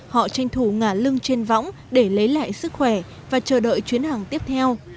họ tranh thủ ngả lưng trên võng để lấy lại sức khỏe và chờ đợi chuyến hàng tiếp theo